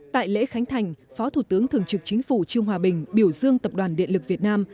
tại lễ khánh thành phó thủ tướng thường trực chính phủ trương hòa bình biểu dương tập đoàn điện lực việt nam